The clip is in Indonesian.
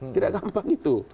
tidak gampang itu